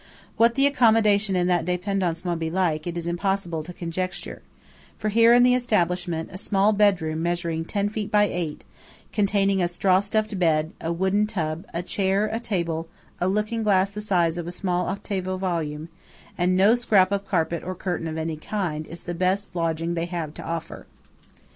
What the accommodation in that Dependance may be like it is impossible to conjecture; for here in the "Establishment," a small bedroom measuring ten feet by eight, containing a straw stuffed bed, a wooden tub, a chair, a table, a looking glass the size of a small octavo volume, and no scrap of carpet or curtain of any kind, is the best lodging they have to offer.